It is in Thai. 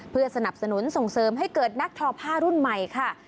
เพื่อสนับสนุนส่งเสริมให้เกิดนักทอผ้ารุ่นใหม่ค่ะ